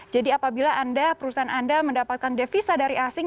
jadi apabila perusahaan anda mendapatkan devisa dari asing